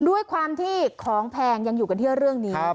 ด้วยความที่ของแพงยังอยู่กันที่เรื่องนี้